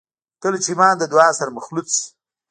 کله چې ایمان له دعا سره مخلوط شي